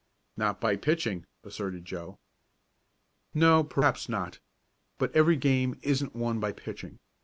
"Not by pitching," asserted Joe. "No, perhaps not. But every game isn't won by pitching.